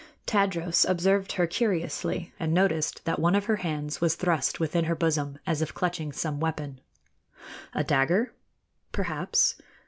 Tadros observed her curiously, and noticed that one of her hands was thrust within her bosom, as if clutching some weapon. A dagger? Perhaps.